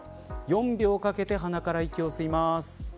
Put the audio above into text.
４秒かけて鼻から息を吸います。